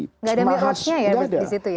tidak ada mikrotnya ya disitu ya